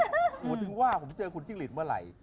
ผมถึงว่าจะเจอกันกับคุณจิ้งหลีกเมื่อไหร่